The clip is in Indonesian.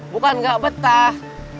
bukan gak betah